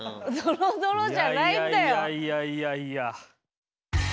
いやいやいやいやいや。